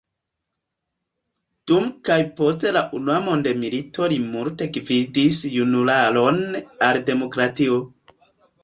Dum kaj post la unua mondmilito li multe gvidis junularon al demokratio.